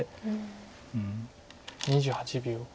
２８秒。